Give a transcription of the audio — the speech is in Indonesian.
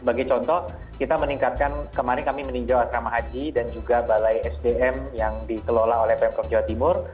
sebagai contoh kita meningkatkan kemarin kami meninjau asrama haji dan juga balai sdm yang dikelola oleh pemprov jawa timur